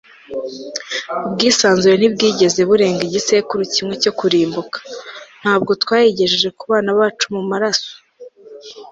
ubwisanzure ntibwigeze burenga igisekuru kimwe cyo kurimbuka. ntabwo twayigejeje kubana bacu mumaraso